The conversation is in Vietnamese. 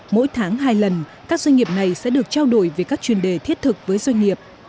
mỗi tháng hai lần các doanh nghiệp này sẽ được trao đổi về các chuyên đề thiết thực với doanh nghiệp